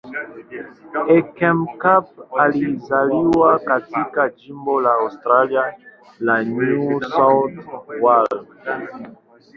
Heckenkamp alizaliwa katika jimbo la Australia la New South Wales.